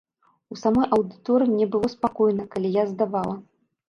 У самой аўдыторыі мне было спакойна, калі я здавала.